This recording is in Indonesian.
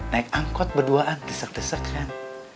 naik angkot berduaan desat deset kan